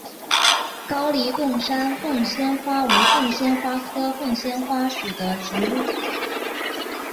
高黎贡山凤仙花为凤仙花科凤仙花属的植物。